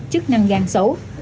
chức năng gan xấu